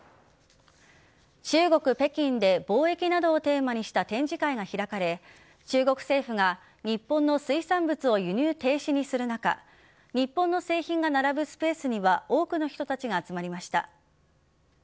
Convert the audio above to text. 中国・北京で貿易などをテーマにした展示会が開かれ中国政府が日本の水産物を輸入停止にする中日本の製品が並ぶスペースには多くの人たちが集まりました。